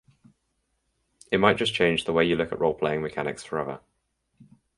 It might just change the way you look at roleplaying mechanics for ever.